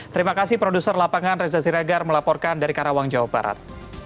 terima kasih produser lapangan reza siregar melaporkan dari karawang jawa barat